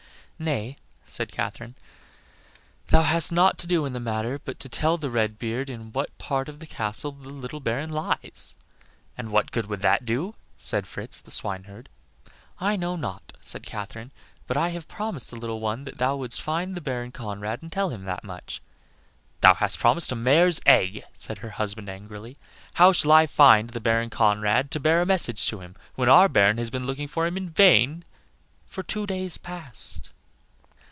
"Nay," said Katherine, "thou hast naught to do in the matter but to tell the Red beard in what part of the castle the little Baron lies." "And what good would that do?" said Fritz, the swineherd. "I know not," said Katherine, "but I have promised the little one that thou wouldst find the Baron Conrad and tell him that much." "Thou hast promised a mare's egg," said her husband, angrily. "How shall I find the Baron Conrad to bear a message to him, when our Baron has been looking for him in vain for two days past?"